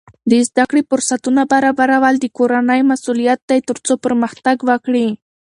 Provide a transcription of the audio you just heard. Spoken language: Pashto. د زده کړې فرصتونه برابرول د کورنۍ مسؤلیت دی ترڅو پرمختګ وکړي.